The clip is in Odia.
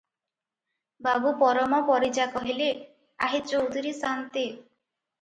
ବାବୁ ପରମ ପରିଜା କହିଲେ, "ଆହେ ଚୌଧୁରୀ ସାନ୍ତେ!